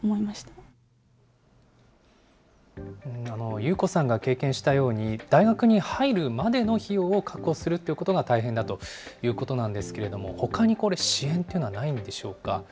ユウコさんが経験したように、大学に入るまでの費用を確保するということが大変だということなんですけれども、ほかにこれ、支援というのはないんでしょうか。